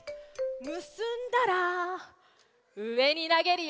むすんだらうえになげるよ！